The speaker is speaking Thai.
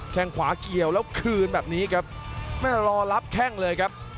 แค่งขวาเกี่ยวแล้วคืนแบบนี้ครับแม่รอรับแข้งเลยครับ